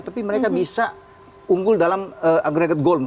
tapi mereka bisa unggul dalam agregat goal